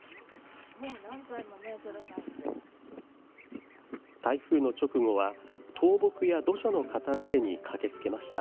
台風の直後は、倒木や土砂の片づけに駆けつけました。